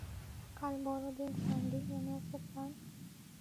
কাল বড় দিন স্যান্ডি, মনে আছে প্ল্যান?